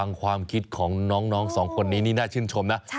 ความคิดของน้องสองคนนี้นี่น่าชื่นชมนะ